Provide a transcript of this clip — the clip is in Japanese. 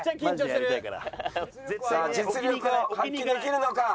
さあ実力を発揮できるのか？